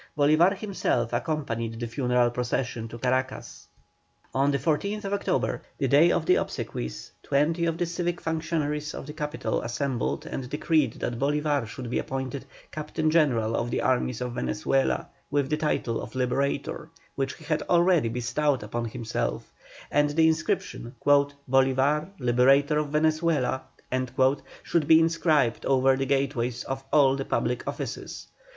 Bolívar himself accompanied the funeral procession to Caracas. On the 14th October, the day of the obsequies, twenty of the civic functionaries of the capital assembled and decreed that Bolívar should be appointed Captain General of the armies of Venezuela with the title of "Liberator," which he had already bestowed upon himself, and that the inscription "Bolívar, Liberator of Venezuela" should be inscribed over the gateways of all the public offices.